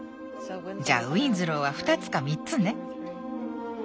じゃあウィンズローは２つか３つね。